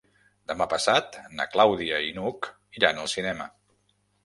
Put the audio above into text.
Demà passat na Clàudia i n'Hug iran al cinema.